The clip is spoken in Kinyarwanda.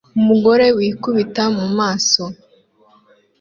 Umugore wikubita mu maso